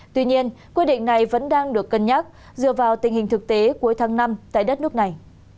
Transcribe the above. tuy nhiên quy định này vẫn đang được cân nhắc dựa vào tình hình thực tế cuối tháng năm tại đất nước này